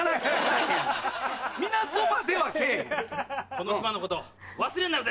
この島のこと忘れんなよ